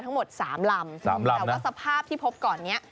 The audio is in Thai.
ทั้งหมด๓ลำแต่ว่าสภาพที่พบก่อนนี้